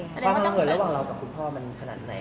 ข้อเข้าทำเติดระหว่างเรากับคุณพ่อมันขนาดไหน